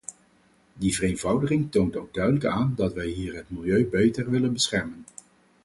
Die vereenvoudiging toont ook duidelijk aan dat wij hier het milieu beter willen beschermen.